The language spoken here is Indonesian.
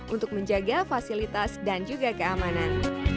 untuk menjaga fasilitas dan juga keamanan